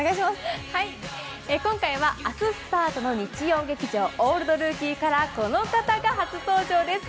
今回は明日スタートの日曜劇場「オールドルーキー」からこの方が初登場です。